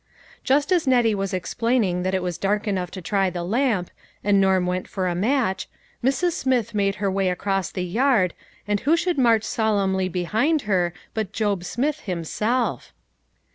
Just as Nettie was explaining that it was dark enough to try the lamp, and Norm went for a match, Mrs. Smith made her way across the yard, and who should march solemnly be hind her but Job Smith himself